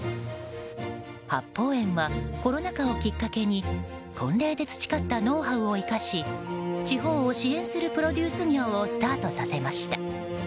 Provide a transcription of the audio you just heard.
八芳園はコロナ禍をきっかけに婚礼で培ったノウハウを生かし地方を支援するプロデュース業をスタートさせました。